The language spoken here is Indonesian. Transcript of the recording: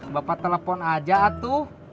bapak telepon aja atu